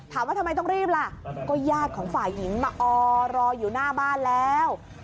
ถามว่าทำไมต้องรีบล่ะก็ญาติของฝ่ายหญิงมาออรออยู่หน้าบ้านแล้ว